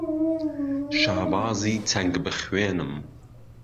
شابازی چەنگ به خوێنم